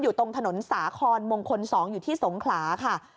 อยู่ตรงถนนสาครมงคล๒อยู่ที่สงขลาค่ะ